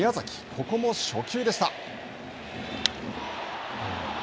ここも初球でした。